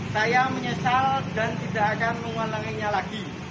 saya menyesal dan tidak akan mengulanginya lagi